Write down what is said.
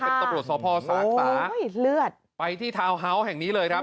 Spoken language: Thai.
เป็นตำรวจสพสาขาอุ้ยเลือดไปที่ทาวน์เฮาส์แห่งนี้เลยครับ